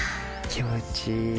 気持ちいい。